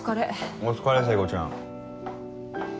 お疲れ聖子ちゃん。